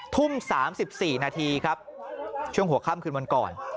ทุ่ม๓๔นาทีครับช่วงหัวค่ำคืนวันก่อน